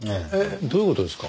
どういう事ですか？